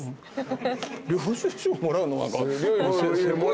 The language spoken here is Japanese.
領収書もらうのセコい。